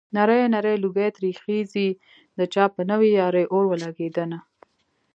نری نری لوګی ترې خيږي د چا په نوې يارۍ اور ولګېدنه